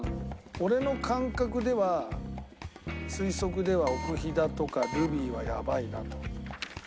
俺の感覚では推測では『奥飛騨』とか『ルビー』はやばいなと。